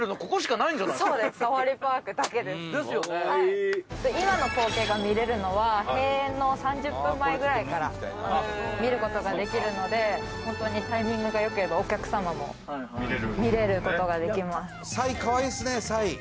かわいい今の光景が見れるのは閉園の３０分前ぐらいから見ることができるのでホントにタイミングがよければお客様も見れることができます